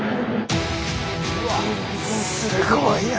すごいな。